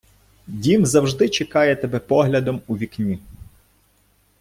Дім завжди чекає тебе поглядом у вікні